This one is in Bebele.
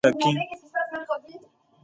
Yə bɛlə à nɔ̄k fɔŋ mə kìŋ.